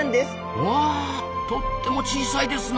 うわあとっても小さいですな。